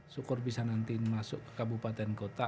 syukur bisa nanti masuk ke kabupaten kota